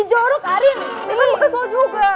jorok arin memang ngesel juga